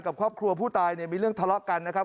กับครอบครัวผู้ตายเนี่ยมีเรื่องทะเลาะกันนะครับ